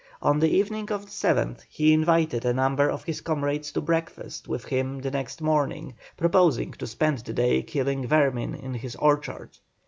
On the evening of the 7th he invited a number of his comrades to breakfast with him the next morning, proposing to spend the day killing vermin in his orchard.